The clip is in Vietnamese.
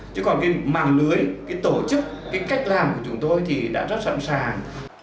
chứ còn cái mạng lưới cái tổ chức cái cách làm của chúng tôi thì đã rất sẵn sàng